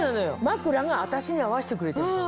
枕が私に合わせてくれてるの。